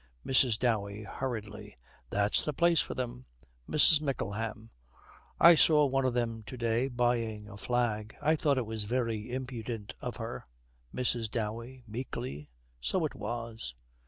MRS. DOWEY, hurriedly, 'That's the place for them.' MRS. MICKLEHAM. 'I saw one of them to day buying a flag. I thought it was very impudent of her.' MRS. DOWEY, meekly, 'So it was.'